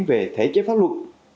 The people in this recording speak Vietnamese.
về thể chế pháp luật